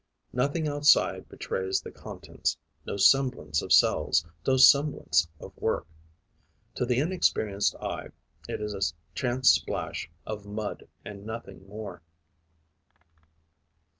Nothing outside betrays the contents, no semblance of cells, no semblance of work. To the inexperienced eye, it is a chance splash of mud and nothing more.